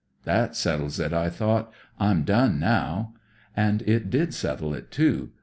*That settles it,' I thought. 'I'm done now.' And it did settle it, too.